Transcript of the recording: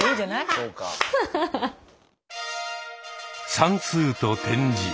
算数と点字。